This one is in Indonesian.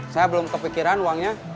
saya belum kepikiran uangnya